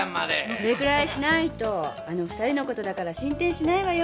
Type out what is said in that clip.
それぐらいしないとあの二人のことだから進展しないわよ。